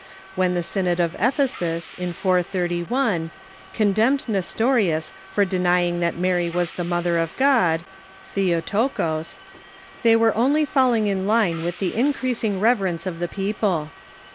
When the Synod of Ephcsus, in 431, condemned Nestorius for denying that Mary was the mother of God {BeoroKog), tliey were only falling in line with the increasing reverence of the people.